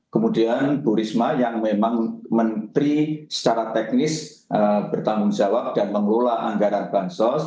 kemudian bu risma yang memang menteri secara teknis bertanggung jawab dan mengelola anggaran bansos